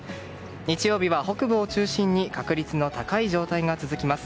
日曜日は北部を中心に確率の高い状態が続きます。